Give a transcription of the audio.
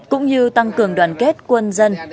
cũng như tăng cường đoàn kết quân dân